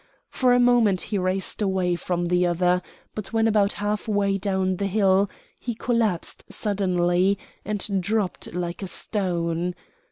For a moment he raced away from the other, but when about half way down the hill he collapsed suddenly, and dropped like a stone.